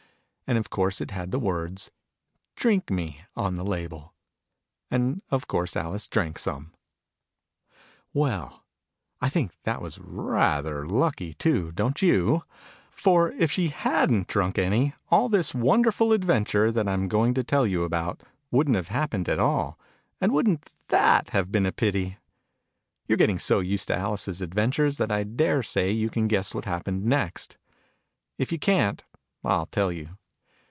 And of course it had the words " DRINK ME!' on the label. And of course Alice drank some ! Digitized by Google BILL, THE Well, I think that was rather lucky, too : don't you ? For, if she hadn't drunk any, all this won derful adventure, that I'm going; to tell you about, wouldn't have happened at all. And wouldn't that have been a pity ? You're getting so used to Alice's Adventures, that I daresay you can guess what happened next ? If you can't, I'll tell you.